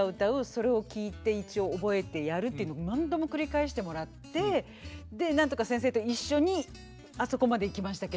それを聴いて一応覚えてやるっていうの何度も繰り返してもらってでなんとか先生と一緒にあそこまでいきましたけど。